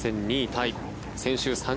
タイ。